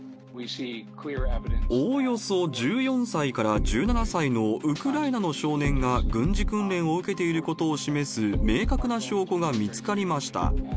おおよそ１４歳から１７歳のウクライナの少年が軍事訓練を受けていることを示す明確な証拠が見つかりました。